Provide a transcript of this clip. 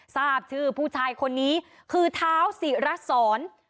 ทราบชื่อผู้ชายคนนี้คือเท้าศิรสร